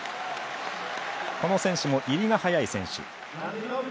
この選手も入りが速い選手。